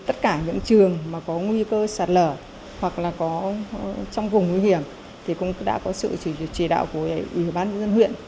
tất cả những trường mà có nguy cơ sạt lở hoặc là có trong vùng nguy hiểm thì cũng đã có sự chỉ đạo của ủy ban nhân dân huyện